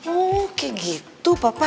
oh kayak gitu papa